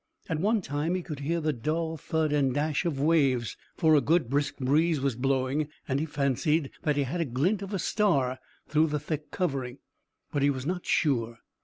At one time he could hear the dull thud and dash of waves, for a good brisk breeze was blowing, and he fancied that he had a glint of a star through the thick covering, but he was not sure.